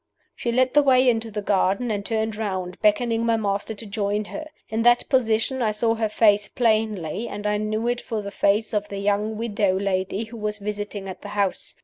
"She led the way into the garden, and turned round, beckoning my master to join her. In that position I saw her face plainly, and I knew it for the face of the young widow lady who was visiting at the house.